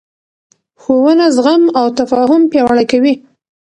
ښوونه زغم او تفاهم پیاوړی کوي